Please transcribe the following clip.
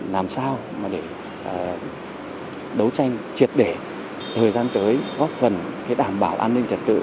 làm sao để đấu tranh triệt để thời gian tới góp phần đảm bảo an ninh trật tự